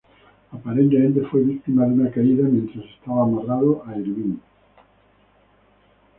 Aparentemente, fue víctima de una caída mientras estaba amarrado a Irvine.